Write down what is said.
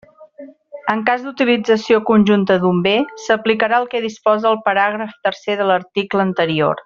En cas d'utilització conjunta d'un bé, s'aplicarà el que disposa el paràgraf tercer de l'article anterior.